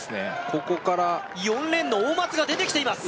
ここから４レーンの大松が出てきています